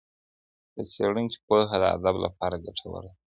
د څېړونکي پوهه د ادب لپاره ګټوره ده.